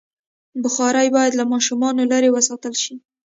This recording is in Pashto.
بخاري باید له ماشومانو لرې وساتل شي.